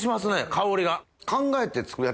香りが。